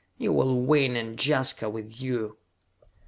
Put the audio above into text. You will win, and Jaska with you!"